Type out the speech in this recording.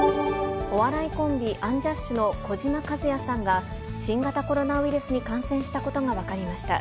お笑いコンビ、アンジャッシュの児嶋一哉さんが、新型コロナウイルスに感染したことが分かりました。